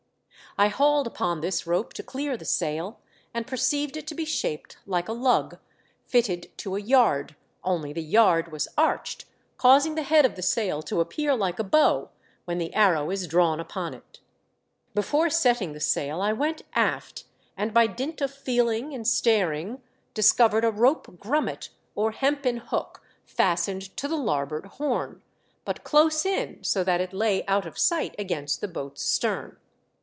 I hauled upon this rope to clear the sail, and perceived it to be shaped like a lug, fitted to a yard, only the yard was arched, causing the head of the sail to appear like a bow when the arrow is drawn upon it. Before setting the sail I went aft, and by dint of feeling and staring discovered a rope grummet or hempen hook fastened to the larboard horn, but close in, so that it lay out of sight against the boat's stern.